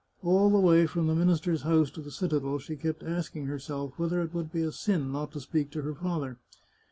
All the way from the minister's house to the citadel she kept asking herself whether it would be a sin not to speak to her father.